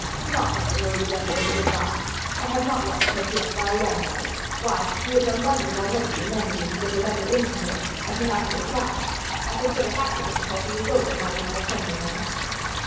Do not think of Marie's letter as a good bye. I have not lost hope yet, by a long way. Why, we have done wonders already in managing to get a letter in to her and to have her reply. I consider half the difficulty is over now we have a friend in there."